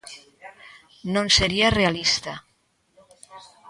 Non sería realista.